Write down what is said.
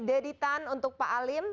deddy tan untuk pak alim